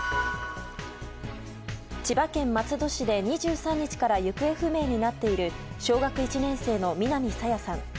千葉県松戸市で２３日から行方不明になっている小学１年生の南朝芽さん。